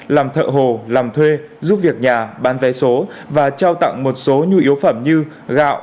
làm thợ hồ làm thuê giúp việc nhà bán vé số và trao tặng một số nhu yếu phẩm như gạo